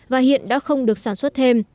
và hiện đã không được cài đặt